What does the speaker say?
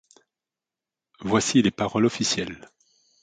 Voici les paroles officielles.